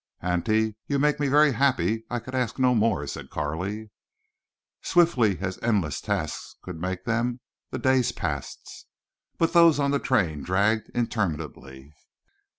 "Auntie, you make me very happy. I could ask no more," said Carley. Swiftly as endless tasks could make them the days passed. But those on the train dragged interminably.